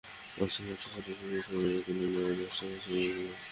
অস্ট্রেলিয়ায় একটি ছোট্ট শিশুকে ছোঁ মেরে তুলে নিয়ে যাওয়ার চেষ্টা করেছে একটি ইগল।